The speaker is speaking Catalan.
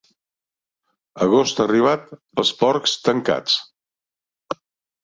Agost arribat, els porcs tancats.